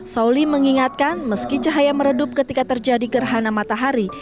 sauli mengingatkan meski cahaya meredup ketika terjadi gerhana matahari